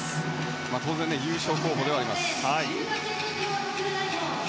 当然優勝候補ではあります。